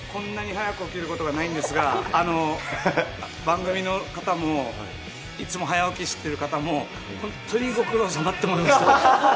こんなに早く起きることはないんですけど、番組の方もいつも早起きしてる方、本当にご苦労様と思いました。